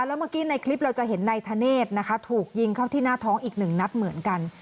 แล้วเมื่อกี้ในคลิปเราจะเห็นนายธเนธนะคะถูกยิงเข้าที่หน้าท้องอีกหนึ่งนัดเหมือนกัน